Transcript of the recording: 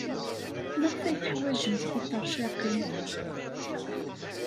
Maɣef ay teḥwajemt tiṭercaqin?